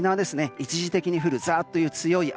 一時的に降るザーッという強い雨。